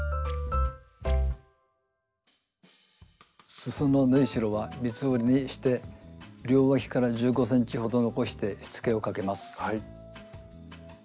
すその縫いしろは三つ折りにして両わきから１５ｃｍほど残してしつけをかけます。